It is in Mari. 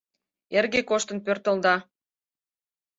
Эрге коштын пӧртылда